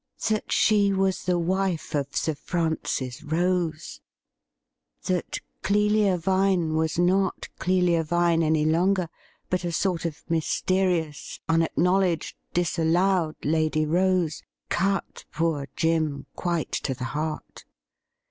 That she was the wife of Sir Francis Rose ! That Clelia Vine was not Clelia Vine any longer, but a sort of mys terious, unacknowledged, disallowed Lady Rose, cut poor Jim quite to the heart.